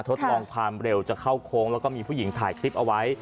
ทดลองความเร็วจะเข้าโค้งแล้วก็มีผู้หญิงถ่ายคลิปเอาไว้